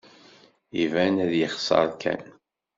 Iban ad yexser kan.